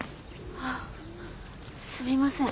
あすみません。